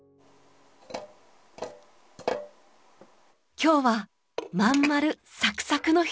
今日はまん丸サクサクの日。